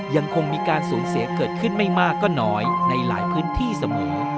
ยังคงมีการสูญเสียเกิดขึ้นไม่มากก็น้อยในหลายพื้นที่เสมอ